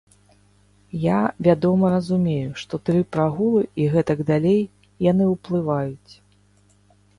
Я, вядома, разумею, што тры прагулы і гэтак далей, яны ўплываюць.